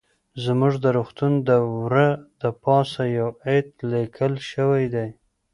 زموږ د روغتون د وره د پاسه يو ايت ليکل شوى ديه.